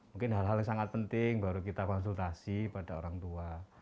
mungkin hal hal yang sangat penting baru kita konsultasi pada orang tua